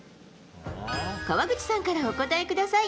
川口さんから、お答えください。